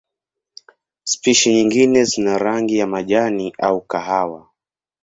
Spishi nyingine zina rangi ya majani au kahawa.